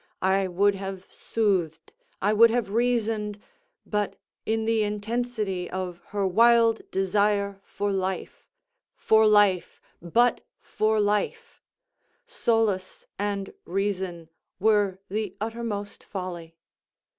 I would have soothed—I would have reasoned; but, in the intensity of her wild desire for life,—for life—but for life—solace and reason were the uttermost folly.